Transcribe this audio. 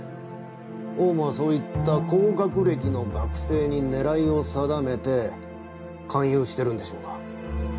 オウムはそういった高学歴の学生に狙いを定めて勧誘してるんでしょうか？